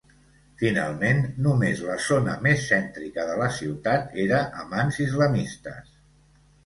Finalment, només la zona més cèntrica de la ciutat era a mans islamistes.